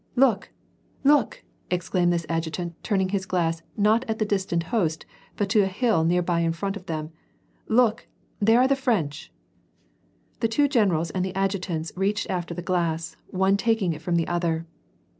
" Look ! look !" exclaimed this adjutant, turning his glass not at the distant host, but to the hill nearly in front of them, " Look, there are the French !" The two generals and the adjutants reached after the glass, one taking it from the other.